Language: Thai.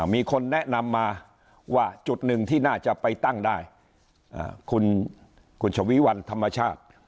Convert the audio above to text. มีคนแนะนำมาว่าจุดหนึ่งที่น่าจะไปตั้งได้คุณชวีวันธรรมชาติ